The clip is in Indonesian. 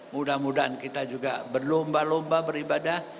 mudah mudahan kita juga berlomba lomba beribadah